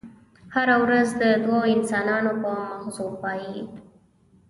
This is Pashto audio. هره ورځ د دوو انسانانو په ماغزو پايي.